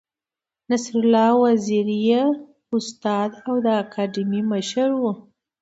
نصرالله وزیر یې استاد او د اکاډمۍ مشر و.